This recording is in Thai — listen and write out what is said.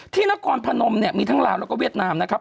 ที่นครพนมมีทั้งลาวแล้วก็เวียดนามนะครับ